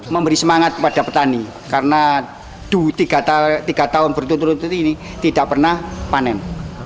memberi semangat kepada petani karena tiga tahun berturut turut ini tidak pernah panen